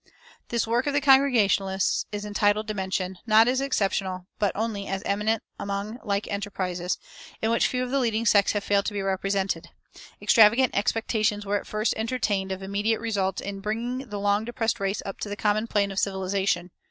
This work of the Congregationalists is entitled to mention, not as exceptional, but only as eminent among like enterprises, in which few of the leading sects have failed to be represented. Extravagant expectations were at first entertained of immediate results in bringing the long depressed race up to the common plane of civilization.